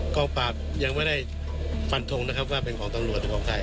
กองปราบยังไม่ได้ฟันทงนะครับว่าเป็นของตำรวจหรือของใคร